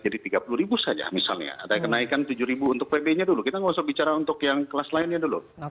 jadi tiga puluh saja misalnya atau naikkan tujuh untuk pbi nya dulu kita nggak usah bicara untuk yang kelas lainnya dulu